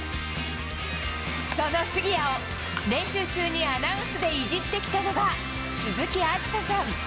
その杉谷を、練習中にアナウンスでいじってきたのが、鈴木あずささん。